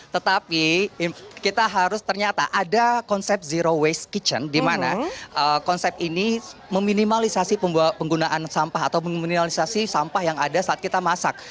tetapi kita harus ternyata ada konsep zero waste kitchen di mana konsep ini meminimalisasi penggunaan sampah atau meminimalisasi sampah yang ada saat kita masak